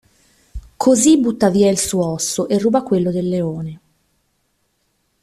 Così butta via il suo osso e ruba quello del leone.